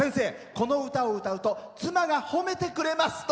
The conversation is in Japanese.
この歌を歌うと妻が褒めてくれます。